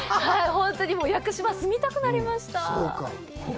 本当に屋久島、住みたくなりました。